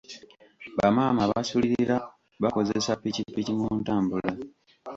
Bamaama abasulirira bakozesa ppikipiki mu ntambula.